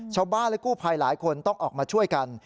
ชาวบ้านและกู้ภัยหลายคนต้องออกมาช่วยกัน